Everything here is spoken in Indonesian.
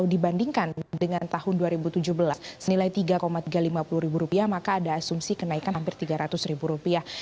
dibandingkan dengan tahun dua ribu tujuh belas senilai tiga tiga ratus lima puluh ribu rupiah maka ada asumsi kenaikan hampir tiga ratus ribu rupiah